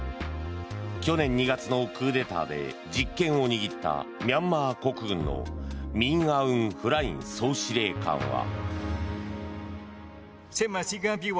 去年２月のクーデターで実権を握ったミャンマー国軍のミン・アウン・フライン総司令官は。